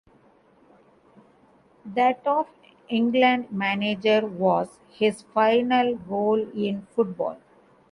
That of England manager was his final role in football.